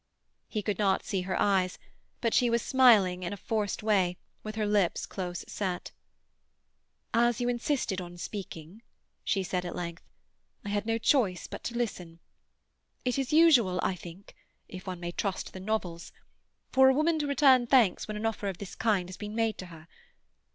He could not see her eyes, but she was smiling in a forced way, with her lips close set. "As you insisted on speaking," she said at length, "I had no choice but to listen. It is usual, I think—if one may trust the novels—for a woman to return thanks when an offer of this kind has been made to her.